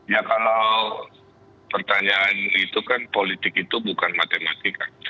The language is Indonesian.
ya kalau pertanyaan itu kan politik itu bukan matematika